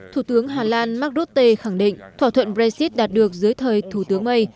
thủ tướng hà lan mark rutte khẳng định thỏa thuận brexit đạt được dưới thời thủ tướng may